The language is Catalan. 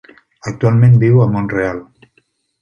Actualment viu a Mont-real.